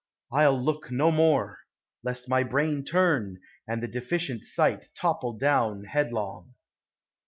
— I '11 look no more; Lest my brain turn, and the deficient Bight Topple down headlong.